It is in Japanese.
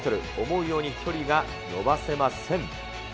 思うように距離が伸ばせません。